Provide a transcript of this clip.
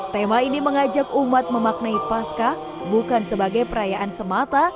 tema ini mengajak umat memaknai pascah bukan sebagai perayaan semata